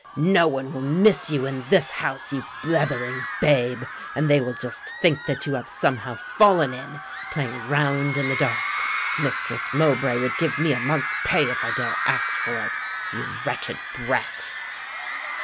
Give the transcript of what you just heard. "No one will miss you in this house, you blethering babe, and they will just think that you have somehow fallen in, playing round in the dark. Mistress Mowbray would give me a month's pay, if I dared ask for it, you wretched brat."